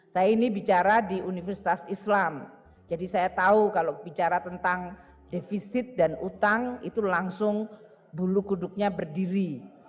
saya ini bicara di universitas islam jadi saya tahu kalau bicara tentang defisit dan utang itu langsung bulu kuduknya berdiri